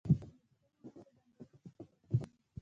د نورستان غنم په ځنګلونو کې کرل کیږي.